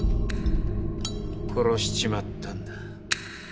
殺しちまったんだ。